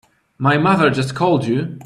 My mother just called you?